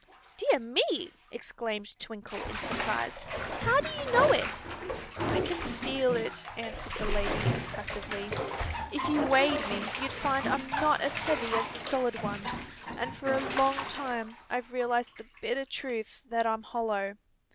_" "Dear me!" exclaimed Twinkle, in surprise. "How do you know it?" "I can feel it," answered the lady, impressively. "If you weighed me you'd find I'm not as heavy as the solid ones, and Tor a long time I Ve realized the bitter truth that I'm hollow.